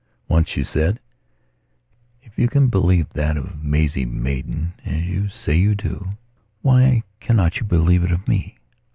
Once she said: "If you can believe that of Maisie Maidan, as you say you do, why cannot you believe it of me?"